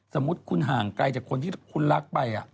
สมมุติคุณห่างไกลจากคนที่คุณรักไป